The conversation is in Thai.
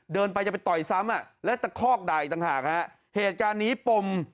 เดินไปจะไปต่อยซ้ำอ่ะและตะคอกด่าอีกต่างหากฮะเหตุการณ์นี้ปม